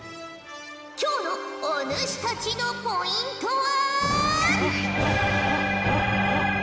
今日のお主たちのポイントは。